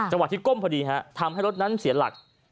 จังหวัดที่ก้มพอดีฮะทำให้รถนั้นเสียหลัก